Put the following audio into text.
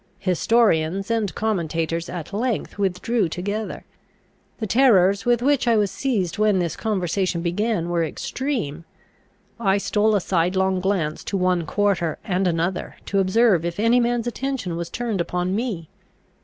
Historians and commentators at length withdrew together. The terrors with which I was seized when this conversation began, were extreme. I stole a sidelong glance to one quarter and another, to observe if any man's attention was turned upon me.